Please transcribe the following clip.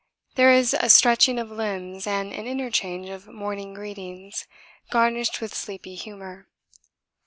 There is a stretching of limbs and an interchange of morning greetings, garnished with sleepy humour.